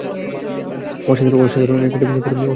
অসাধারণ, পলি, অসাধারণ!